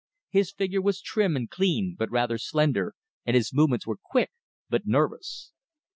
His figure was trim and clean, but rather slender; and his movements were quick but nervous.